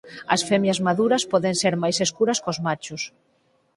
As femias maduras poden ser máis escuras cós machos.